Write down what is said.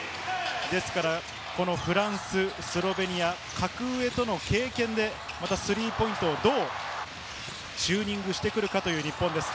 フランス、スロベニア、格上との経験でスリーポイントをどうチューニングしてくるかという日本です。